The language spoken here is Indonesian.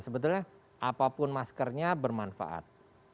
sebetulnya apapun maskernya bermanfaat